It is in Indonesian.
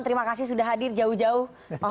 terima kasih sudah hadir jauh jauh